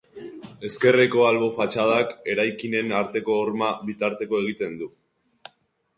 Ezkerreko albo fatxadak eraikinen arteko horma bitarteko egiten du.